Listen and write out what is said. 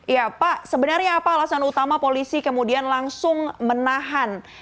ya pak sebenarnya apa alasan utama polisi kemudian langsung menahan